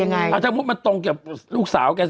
พี่โมดรู้สึกไหมพี่โมดรู้สึกไหมพี่โมดรู้สึกไหม